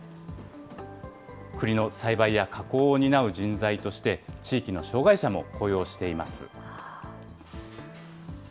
くりの栽培や加工を担う人材として、地域の障害者も雇用しています。